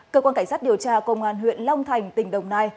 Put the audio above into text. cơ quan cảnh sát điều tra công an huyện long thành tỉnh đồng nai